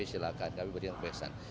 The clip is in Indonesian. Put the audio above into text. silakan kami berikan kebebasan